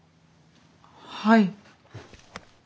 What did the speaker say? はい。